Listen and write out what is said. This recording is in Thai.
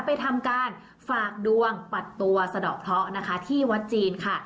ไปทำการฝากดวงปัดตัวสะดอกเคราะห์นะคะที่วัดจีนค่ะ